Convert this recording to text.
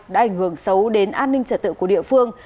đã ảnh hưởng xấu đến an ninh trật tự của địa phương